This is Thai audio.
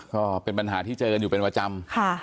ก็เป็นปัญหาที่เจออยู่เป็นวจำ